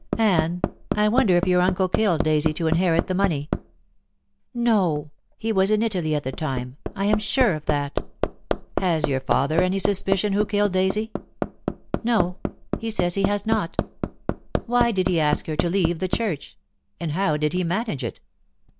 "Anne, I wonder if your uncle killed Daisy to inherit the money?" "No; he was in Italy at the time. I am sure of that." "Has your father any suspicion who killed Daisy?" "No. He says he has not." "Why did he ask her to leave the church? And how did he manage it?"